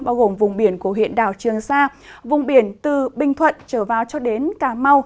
bao gồm vùng biển của huyện đảo trường sa vùng biển từ bình thuận trở vào cho đến cà mau